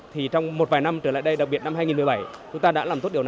thì trong một vài năm trở lại đây đặc biệt năm hai nghìn một mươi bảy